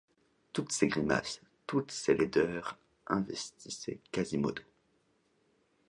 Toutes ces grimaces, toutes ces laideurs investissaient Quasimodo.